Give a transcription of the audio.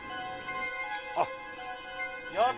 「あっ」